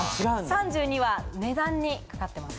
３２は値段にかかってます。